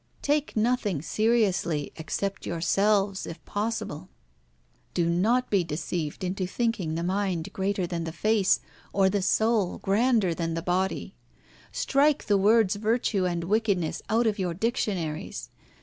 Take nothing seriously, except yourselves, if possible. Do not be deceived into thinking the mind greater than the face, or the soul grander than the body. Strike the words virtue and wickedness out of your dictionaries.